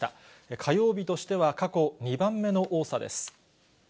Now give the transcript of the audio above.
火曜日としては過去２番目の多さです。